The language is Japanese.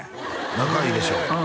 仲いいでしょ？